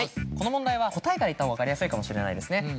この問題は答えからいったほうが分かりやすいかもしれないですね。